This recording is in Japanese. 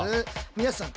皆さん